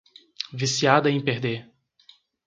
Viciada em perder